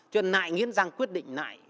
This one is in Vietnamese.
cho nên nại nghiến răng quyết định nại